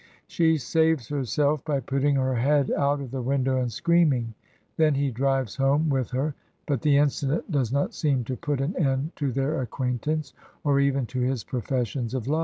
She saves herself by putting her head out of the window and screaming ; then he drives home with her; but the incident does not seem to put an end to their acquaintance, or even to his professions of love.